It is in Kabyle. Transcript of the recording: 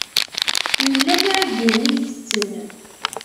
Yella kra n yiwen i itetten.